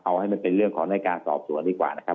เอาให้มันเป็นเรื่องของในการสอบสวนดีกว่านะครับ